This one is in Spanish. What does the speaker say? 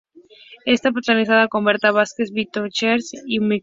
Está protagonizada por Berta Vázquez, Vito Sanz, Chino Darín y Vicky Luengo.